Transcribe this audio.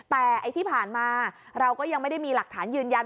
แต่ที่ผ่านมาเราก็ยังไม่ได้มีหลักฐานยืนยัน